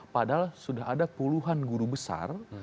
padahal sudah ada puluhan guru besar